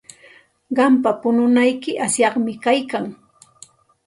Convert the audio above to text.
Qampa pununayki asyaqmi kaykan.